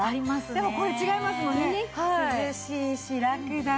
でもこれ違いますもんね。